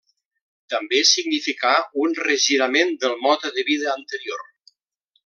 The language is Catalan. També significà un regirament del mode de vida anterior.